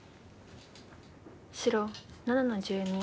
白７の十二。